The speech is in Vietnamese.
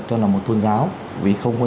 cho là một tôn giáo vì không có